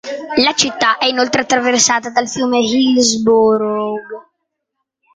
La città è inoltre attraversata dal fiume Hillsborough.